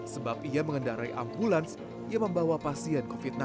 sebab ia mengendarai ambulans yang membawa pasien covid sembilan belas